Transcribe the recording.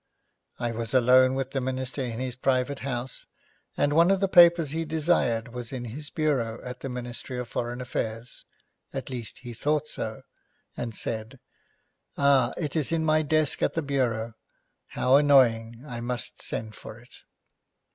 I was alone with the minister in his private house, and one of the papers he desired was in his bureau at the Ministry for Foreign Affairs; at least, he thought so, and said, 'Ah, it is in my desk at the bureau. How annoying! I must send for it!'